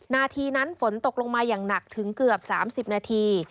นาทีนั้นฝนตกลงมาอย่างหนักถึงเกือบ๓๐นาที